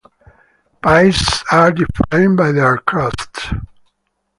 Pies are defined by their crusts.